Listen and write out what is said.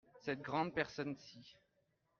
Cette grande personne-ci.